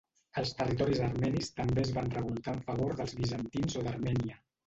Els territoris armenis també es van revoltar en favor dels bizantins o d'Armènia.